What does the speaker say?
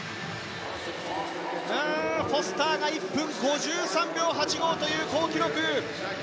フォスターが１分５３秒８５という好記録。